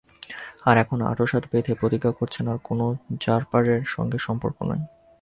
আর এখন আঁটসাঁট বেঁধে প্রতিজ্ঞা করেছেন আর কোনো র্যাপারের সঙ্গে সম্পর্ক নয়।